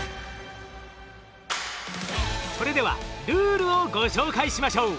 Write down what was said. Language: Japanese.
それではルールをご紹介しましょう。